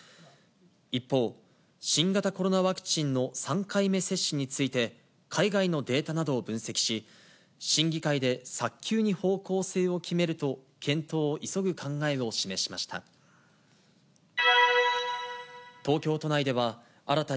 一方、新型コロナワクチンの３回目接種について、海外のデータなどを分析し、審議会で早急に方向性を決めると検討を急ぐ考えを示しました。